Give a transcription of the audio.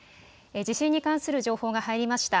地震に関する情報が入りました。